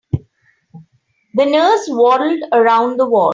The nurse waddled around the ward.